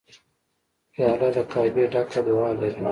پیاله له کعبې ډکه دعا لري.